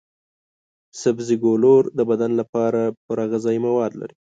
سبزي ګولور د بدن لپاره پوره غذايي مواد لري.